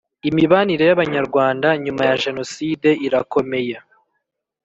Imibanire y ‘Abanyarwanda nyuma ya Jenoside irakomeye.